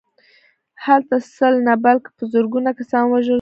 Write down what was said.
هلته سل نه بلکې په زرګونه کسان ووژل شول